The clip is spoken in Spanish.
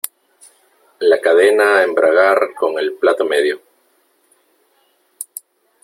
La cadena embragar con el plato medio.